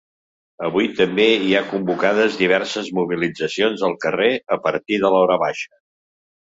Avui també hi ha convocades diverses mobilitzacions al carrer a partir de l’horabaixa.